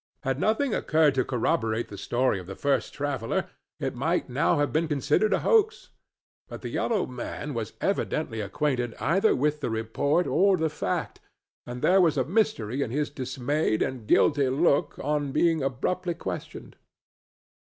Had nothing occurred to corroborate the story of the first traveller, it might now have been considered as a hoax; but the yellow man was evidently acquainted either with the report or the fact, and there was a mystery in his dismayed and guilty look on being abruptly questioned.